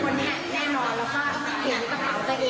จงเนี่ยเน้นแล้วก็เห็นกระเป๋าตัวเองได้